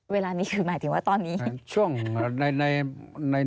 เวลานี้คือหมายถึงว่าตอนนี้